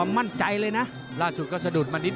มาร์สสุดก็สะดุดมานิดหนึ่ง